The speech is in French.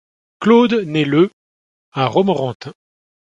Claude naît le à Romorantin.